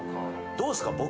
どうっすか？